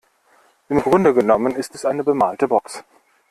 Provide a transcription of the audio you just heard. Im Grunde genommen ist es eine bemalte Box.